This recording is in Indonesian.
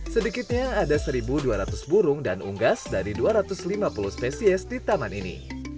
sedikitnya ada satu dua ratus burung dan unggas dari dua ratus lima puluh spesies di taman ini